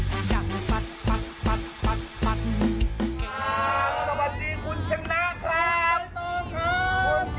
เฮ้ยนี่เขาพูดถึงพวกเราด้วยเหรอ